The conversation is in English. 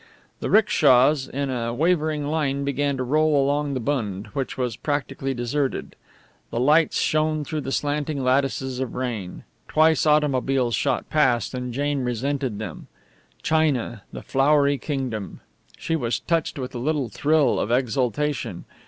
The 'rickshas in a wavering line began to roll along the Bund, which was practically deserted. The lights shone through slanting lattices of rain. Twice automobiles shot past, and Jane resented them. China, the flowery kingdom! She was touched with a little thrill of exultation.